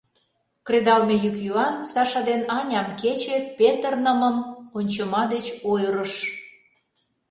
Кредалме йӱк-йӱан Саша ден Аням кече петырнымым ончыма деч ойырыш.